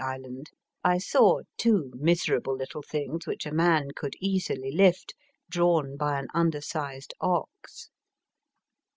island I saw two miserable little things which a man could easily lift, drawn by an undersized ox.